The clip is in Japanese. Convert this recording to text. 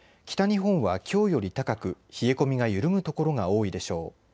北日本はきょうより高く冷え込みが緩むところが多いでしょう。